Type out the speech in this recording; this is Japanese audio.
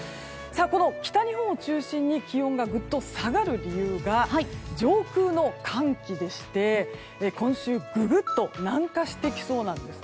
この北日本を中心に気温がぐっと下がる理由が上空の寒気でして、今週ググっと南下してきそうなんです。